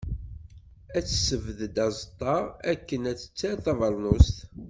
Ad tessebded aẓeṭṭa, akken ad tter tabernust.